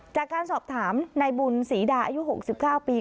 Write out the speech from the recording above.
จากการสอบถามนายบุญศรีดาอายุ๖๙ปี